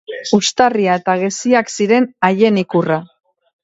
Uztarria eta geziak ziren haien ikurra.